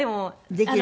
できる？